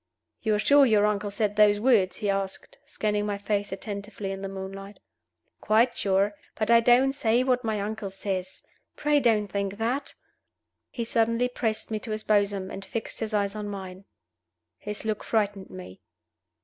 "You are sure your uncle said those words?" he asked, scanning my face attentively in the moonlight. "Quite sure. But I don't say what my uncle says. Pray don't think that!" He suddenly pressed me to his bosom, and fixed his eyes on mine. His look frightened me.